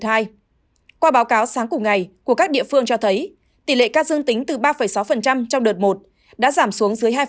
tổng số mẫu xét nghiệm của các địa phương cho thấy tỷ lệ ca dương tính từ ba sáu trong đợt một đã giảm xuống dưới hai